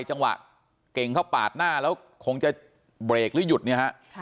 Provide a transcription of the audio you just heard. จังหวะเก่งเขาปาดหน้าแล้วคงจะเบรกหรือหยุดเนี่ยฮะ